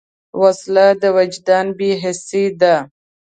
وسله د وجدان بېحسي ده